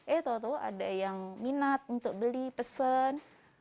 eh tau tau ada yang minat untuk beli pesen